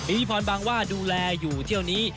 มีพี่พรบางว่าดูแลอยู่เที่ยวนี้